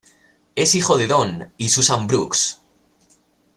Es hijo de Don y Susan Brooks.